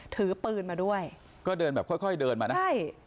ถือปืนมาด้วยก็เดินแบบค่อยเดินมานะ